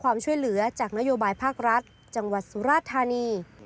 ความช่วยเหลือจากนโยบายภาครัฐจังหวัดสุราธานี